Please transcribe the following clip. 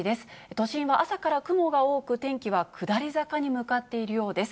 都心は朝から雲が多く、天気は下り坂に向かっているようです。